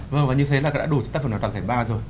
vâng và như thế là đã đủ cho tác phẩm này đạt giải ba rồi